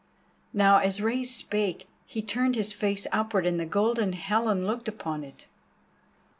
Now as Rei spake, he turned his face upward, and the Golden Helen looked upon it.